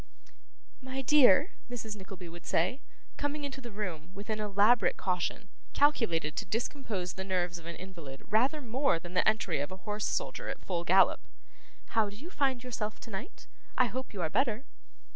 'My dear,' Mrs. Nickleby would say, coming into the room with an elaborate caution, calculated to discompose the nerves of an invalid rather more than the entry of a horse soldier at full gallop; 'how do you find yourself tonight? I hope you are better.